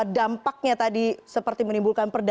dampaknya tadi seperti menimbulkan